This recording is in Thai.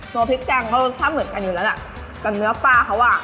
พริกแกงเขารสชาติเหมือนกันอยู่แล้วน่ะแต่เนื้อปลาเขาอ่ะ